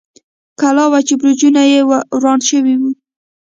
کلا وه، چې برجونه یې وران شوي و.